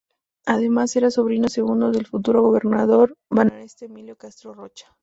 Además era sobrino segundo del futuro gobernador bonaerense Emilio Castro Rocha.